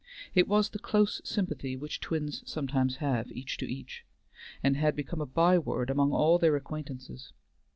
It was the close sympathy which twins sometimes have each to each, and had become a byword among all their acquaintances.